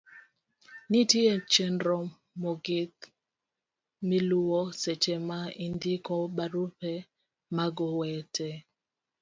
nitie chenro mong'ith miluwo seche ma indiko barupe mag owete